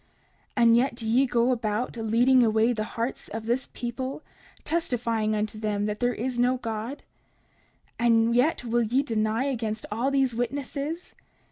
30:45 And yet do ye go about, leading away the hearts of this people, testifying unto them there is no God? And yet will ye deny against all these witnesses?